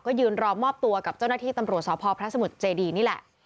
ก็ยืนรอมอบตัวกับเจ้าหน้าที่ตำรวจสพพระสมุทรเจดีนี่แหละ